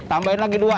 tambahin lagi dua